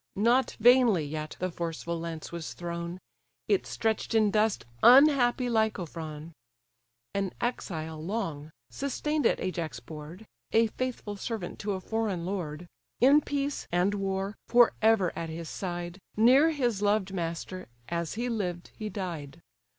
Not vainly yet the forceful lance was thrown; It stretch'd in dust unhappy Lycophron: An exile long, sustain'd at Ajax' board, A faithful servant to a foreign lord; In peace, and war, for ever at his side, Near his loved master, as he lived, he died.